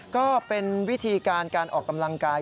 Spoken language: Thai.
ก็เป็นวิธีการการออกกำลังกาย